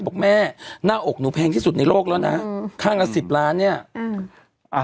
บอกแม่หน้าอกหนูแพงที่สุดในโลกแล้วนะข้างละสิบล้านเนี้ยอืมอ่า